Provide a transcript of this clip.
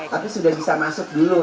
tapi sudah bisa masuk dulu